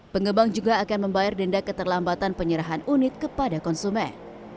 pengembang juga akan membayar denda keterlambatan penyerahan unit kepada konsumen